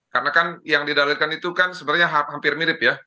karena kan yang didalilkan itu kan sebenarnya hampir mirip ya